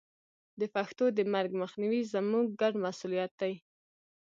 د پښتو د مرګ مخنیوی زموږ ګډ مسوولیت دی.